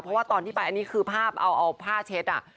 เพราะว่าตอนที่ไปอันนี้คือภาพเอาผ้าเช็ดอ่ะ